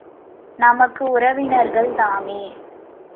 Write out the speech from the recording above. நமக்கு உறவினர்கள் தாமே!